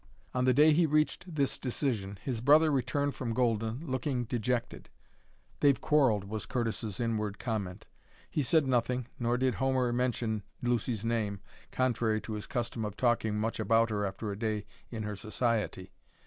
On the day he reached this decision his brother returned from Golden looking dejected. "They've quarrelled," was Curtis's inward comment. He said nothing, nor did Homer mention Lucy's name, contrary to his custom of talking much about her after a day in her society.